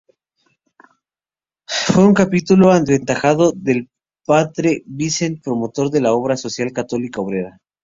Fue un discípulo aventajado del Padre Vicent, promotor de la obra social católica obrera.